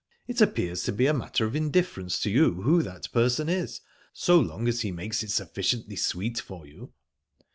It appears to be a matter of indifference to you who that person is, so long as he makes it sufficiently sweet for you."